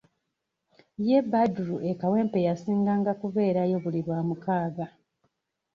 Ye Badru e Kawempe yasinganga kubeerayo buli lwamukaaga.